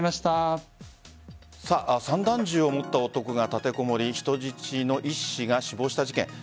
散弾銃を持った男が立てこもり人質の医師が死亡した事件。